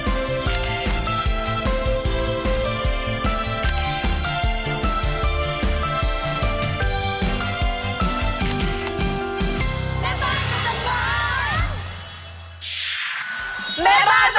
ออ่อมชะกาวไม่มีแล้ว